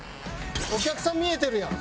お客さん見えてるやん！